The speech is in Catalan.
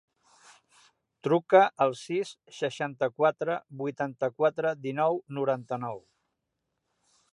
Truca al sis, seixanta-quatre, vuitanta-quatre, dinou, noranta-nou.